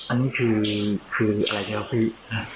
อันนี้คืออะไรครับพี่